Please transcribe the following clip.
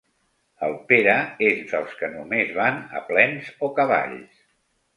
El Pere és dels que només van a plens o cavalls.